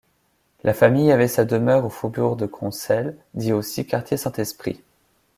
La famille avait sa demeure au faubourg de Croncels dit aussi quartier Saint-Esprit.